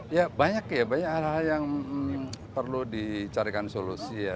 ya banyak ya banyak hal hal yang perlu dicarikan solusi ya